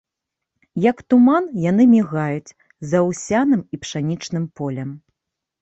Як туман, яны мігаюць за аўсяным і пшанічным полем.